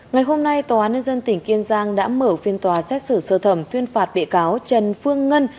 ngày hôm nay tòa án nhân dân tỉnh kiên giang đã mở phiên tòa xét xử sơ thẩm tuyên phạt bị cáo trần phương ngân